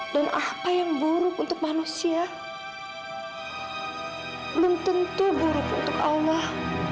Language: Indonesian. dan apa yang buruk untuk manusia belum tentu buruk untuk allah